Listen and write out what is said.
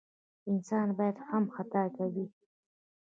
انسان بیا هم خطا کوي.